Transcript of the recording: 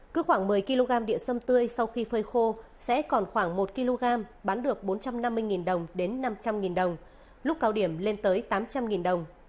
cứ khoảng một mươi kg địa sâm tươi sau khi phơi khô sẽ còn khoảng một kg bán được bốn trăm năm mươi đồng đến năm trăm linh đồng lúc cao điểm lên tới tám trăm linh đồng